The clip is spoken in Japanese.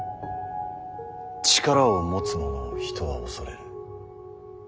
力を持つ者を人は恐れる。